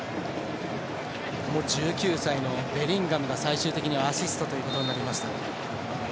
１９歳のベリンガムが最終的にはアシストということになりました。